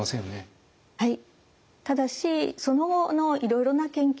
はい。